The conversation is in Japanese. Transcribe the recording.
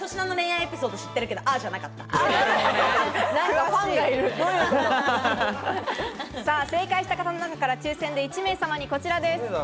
私、粗品の恋愛エピソード知正解した方の中から抽選で１名様にこちらです。